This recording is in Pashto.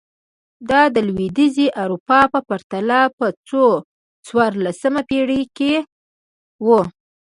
دا د لوېدیځې اروپا په پرتله په څوارلسمه پېړۍ کې و.